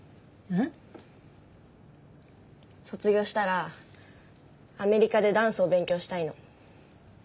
うん？卒業したらアメリカでダンスを勉強したいの。